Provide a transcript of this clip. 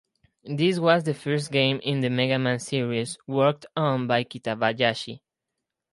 This was the first game in the "Mega Man" series worked on by Kitabayashi.